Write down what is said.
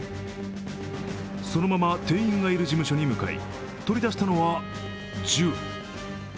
そのまま店員がいる事務所に向かい、取り出したのは銃。